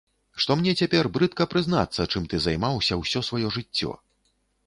Што мне цяпер брыдка прызнацца, чым ты займаўся ўсё сваё жыццё.